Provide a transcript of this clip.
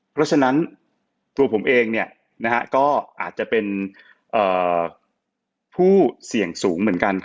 เพราะฉะนั้นตัวผมเองก็อาจจะเป็นผู้เสี่ยงสูงเหมือนกัน